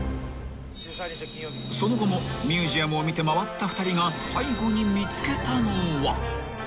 ［その後もミュージアムを見て回った２人が最後に見つけたのは］